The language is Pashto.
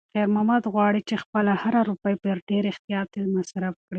خیر محمد غواړي چې خپله هره روپۍ په ډېر احتیاط مصرف کړي.